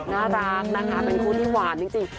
เป็นคู่ที่หวานจริง